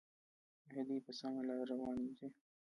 آیا دوی په سمه لار روان نه دي؟